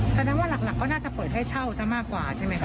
แสดงว่าหลักก็น่าจะเปิดให้เช่าซะมากกว่าใช่ไหมคะ